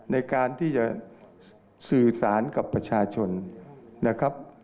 ในการที่จะสื่อสารกับประชาชนนะครับ